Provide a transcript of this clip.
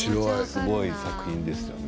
すごい作品ですよね。